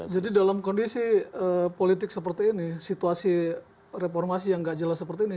jadi dalam kondisi politik seperti ini situasi reformasi yang tidak jelas seperti ini